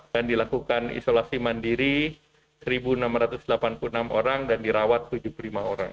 dan dilakukan isolasi mandiri satu enam ratus delapan puluh enam orang dan dirawat tujuh puluh lima orang